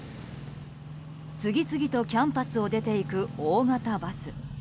次々とキャンパスを出て行く大型バス。